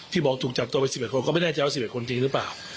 ที่บอกถูกจับตัวไปสิบแปดคนก็ไม่แน่ใจว่าสิบแปดคนจริงหรือเปล่า